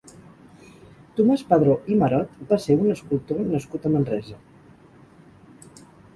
Tomàs Padró i Marot va ser un escultor nascut a Manresa.